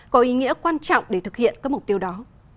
có ý nghĩa quan trọng để thực hiện các mục tiêu đó